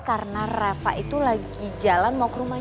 karena reva itu lagi jalan